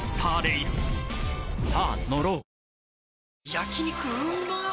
焼肉うまっ